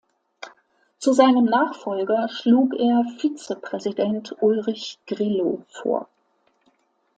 Zu seinem Nachfolger schlug er Vize-Präsident Ulrich Grillo vor.